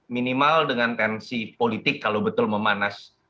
minimal dengan tensi politik kalau betul memanas